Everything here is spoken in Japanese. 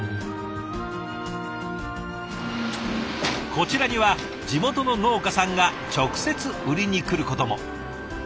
こちらには地元の農家さんが直接売りに来ることも。